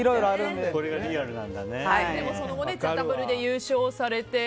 でも、その後「ＴＨＥＷ」で優勝されて。